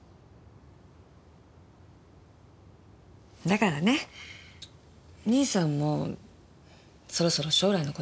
だからね義兄さんもそろそろ将来のこと考えたら？